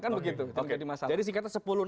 kan begitu jadi singkatan sepuluh